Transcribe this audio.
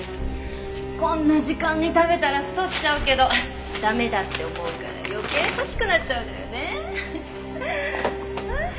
こんな時間に食べたら太っちゃうけど駄目だって思うから余計欲しくなっちゃうのよね。